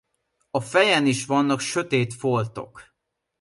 A fejen is vannak sötét foltok.